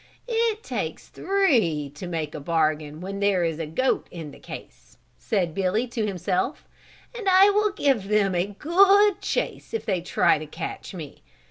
"It takes three to make a bargain where there is a goat in the case," said Billy to himself, "and I will give them a good chase if they try to catch me.